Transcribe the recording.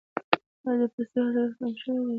آیا د پستې حاصلات کم شوي دي؟